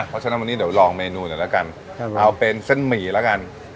เดี๋ยวลองเมนูหน่อยละกันเอาเป็นเส้นหมี่ละกัน